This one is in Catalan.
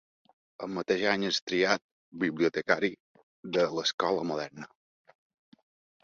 El mateix any és triat bibliotecari de l'Escola Moderna.